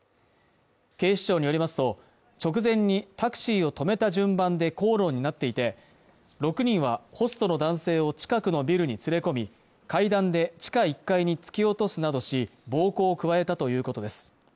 警視庁によりますと直前にタクシーを止めた順番で口論になっていて６人はホストの男性を近くのビルに連れ込み階段で地下１階に突き落とすなどし暴行を加えたということです